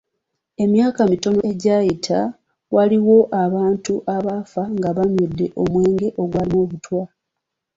Emyaka mitono egyayita, waliwo abantu abaafa nga banywedde omwenge ogwalimu obutwa.